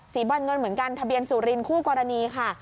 บอนเงินเหมือนกันทะเบียนสุรินคู่กรณีค่ะ